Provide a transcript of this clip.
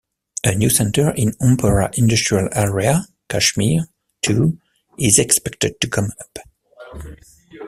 A new center in Ompora Industrial area, Kashmir, too, is expected to come up.